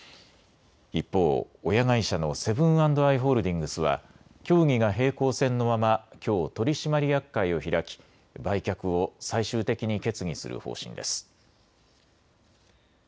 一方、親会社のセブン＆アイ・ホールディングスは協議が平行線のままきょう取締役会を開き売却を最終的に決議する方針です。